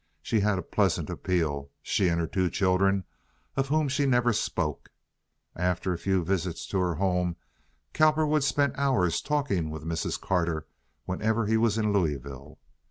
She had a pleasant appeal—she and her two children, of whom she never spoke. After a few visits to her home Cowperwood spent hours talking with Mrs. Carter whenever he was in Louisville.